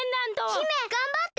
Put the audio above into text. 姫がんばって！